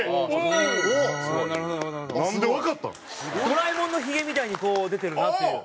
ドラえもんのヒゲみたいにこう出てるなっていう。